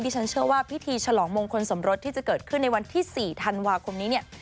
ฉันเชื่อว่าพิธีฉลองมงคลสมรสที่จะเกิดขึ้นในวันที่๔ธันวาคมนี้เนี่ย